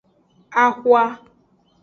Axwa.